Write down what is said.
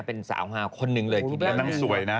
เป็นสาวหาคนนึงเลย